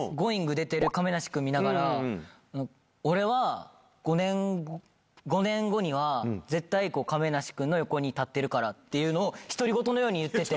出てる亀梨君見ながら、俺は５年後には絶対、絶対亀梨君の横に立っているからっていうのを、独り言のように言ってて。